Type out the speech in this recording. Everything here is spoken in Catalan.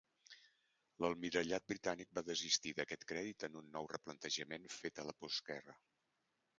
L'Almirallat britànic va desistir d'aquest crèdit en un nou replantejament fet a la postguerra.